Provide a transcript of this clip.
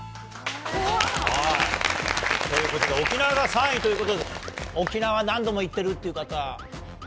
ということで、沖縄が３位ということで、沖縄、何度も行っているっていう方。